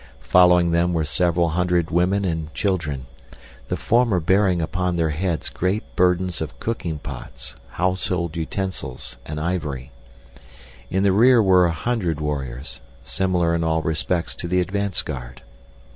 Following them were several hundred women and children, the former bearing upon their heads great burdens of cooking pots, household utensils and ivory. In the rear were a hundred warriors, similar in all respects to the advance guard.